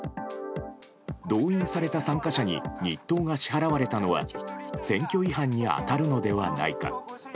動員された参加者に日当が支払われたのは選挙違反に当たるのではないか。